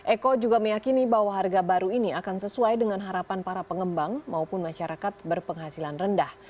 eko juga meyakini bahwa harga baru ini akan sesuai dengan harapan para pengembang maupun masyarakat berpenghasilan rendah